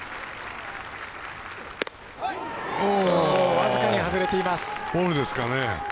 僅かに外れています。